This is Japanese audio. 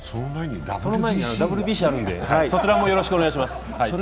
その前にＷＢＣがあるので、そちらもよろしくお願いします。